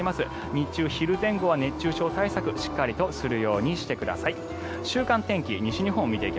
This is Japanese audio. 日中、昼前後は熱中症対策しっかりとするようにしてください。